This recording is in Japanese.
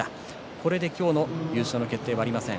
これで今日の優勝の決定はありません。